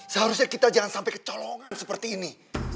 seharusnya kita jangan sampai kecolongan seperti ini